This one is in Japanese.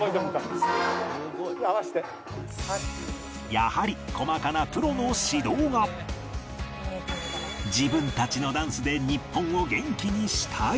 やはり細かな自分たちのダンスで日本を元気にしたい